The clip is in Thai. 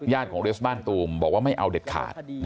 ของเรสบ้านตูมบอกว่าไม่เอาเด็ดขาด